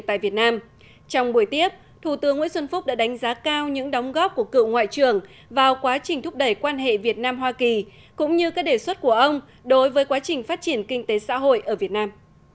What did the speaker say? trong buổi tiếp thủ tướng nguyễn xuân phúc đã đánh giá cao những đóng góp của cựu ngoại trưởng vào quá trình thúc đẩy quan hệ việt nam hoa kỳ cũng như các đề xuất của ông đối với quá trình phát triển kinh tế xã hội ở việt nam